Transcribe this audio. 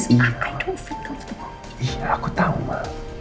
ia aku tahu ma